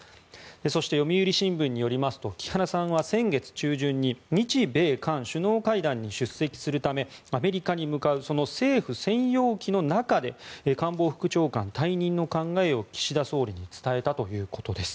そして、読売新聞によりますと木原さんは先月中旬に日米韓首脳会談に出席するためアメリカに向かうその政府専用機の中で官房副長官退任の考えを岸田総理に伝えたということです。